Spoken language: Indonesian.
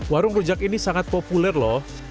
warung rujak ini sangat populer loh